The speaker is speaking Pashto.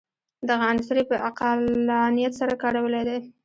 دغه عنصر یې په عقلانیت سره کارولی دی.